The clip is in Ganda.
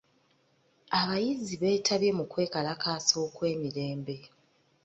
Abayizi beetabye mu kwekalakaasa okw'emirembe.